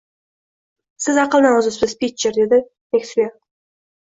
Siz aqldan ozibsiz, Pitcher, dedi Maksuel